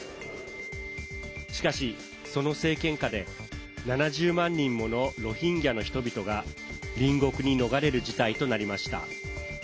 しかし、その政権下で７０万人ものロヒンギャの人々が隣国に逃れる事態となりました。